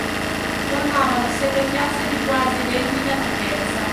Formavano sette chiazze di quasi identica larghezza.